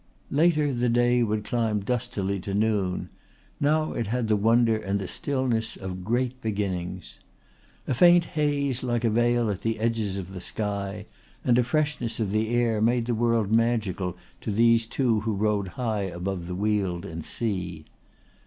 Later the day would climb dustily to noon; now it had the wonder and the stillness of great beginnings. A faint haze like a veil at the edges of the sky and a freshness of the air made the world magical to these two who rode high above weald and sea.